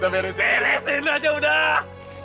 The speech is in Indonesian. piresin aja udah